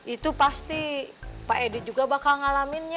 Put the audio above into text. itu pasti pak edi juga bakal ngalaminnya